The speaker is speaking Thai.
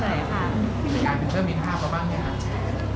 การเพิ่มมีภาพกว่าบ้างหรือเปล่า